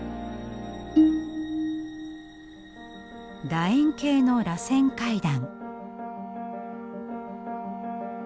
だ円形のらせん階段。